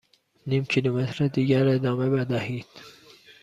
نیم کیلومتر دیگر ادامه بدهید.